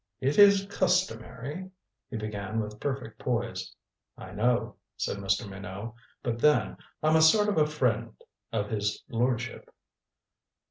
"It is customary " he began with perfect poise. "I know," said Mr. Minot. "But then, I'm a sort of a friend of his lordship."